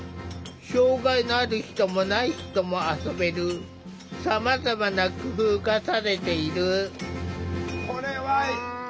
障害のある人もない人も遊べるさまざまな工夫がされている。